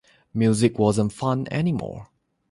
Music wasn't fun any more.